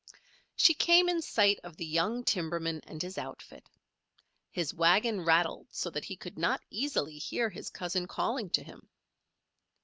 She came in sight of the young timberman and his outfit. His wagon rattled so that he could not easily hear his cousin calling to him.